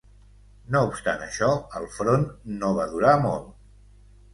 No obstant això, el front no va durar molt.